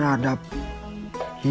daripada suami kult bishop